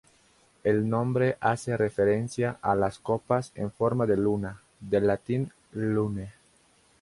El nombre hace referencia a las copas en forma de luna, del latín "luna".